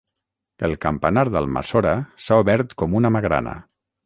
El campanar d'Almassora s'ha obert com una magrana.